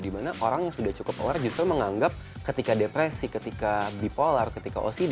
dimana orang yang sudah cukup aware justru menganggap ketika depresi ketika bipolar ketika ocd